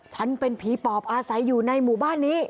ฉันเป็นผีปอบอาศัยอยู่ในหมู่บ้านนี้